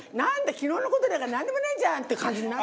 昨日の事なんかなんでもないじゃん」って感じになる。